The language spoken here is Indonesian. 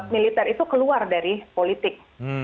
militer itu keluar dari politik